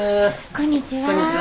こんにちは。